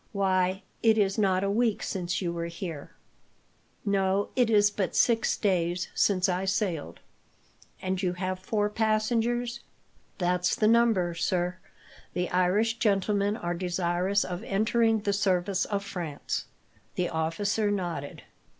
"Why, it is not a week since you were here!" "No, it is but six days since I sailed." "And you have four passengers?" "That's the number, sir. The Irish gentlemen are desirous of entering the service of France." The officer nodded.